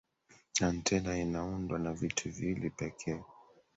antena inaundwa na vitu viwili pekee